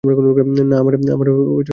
না, আমার তা মনে হয় না।